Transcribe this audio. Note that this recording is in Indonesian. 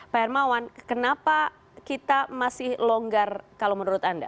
pak hermawan kenapa kita masih longgar kalau menurut anda